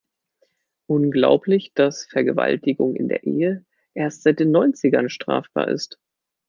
Unglaublich, dass Vergewaltigung in der Ehe erst seit den Neunzigern strafbar ist.